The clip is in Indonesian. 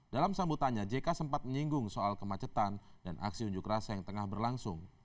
dalam sambutannya jk sempat menyinggung soal kemacetan dan aksi unjuk rasa yang tengah berlangsung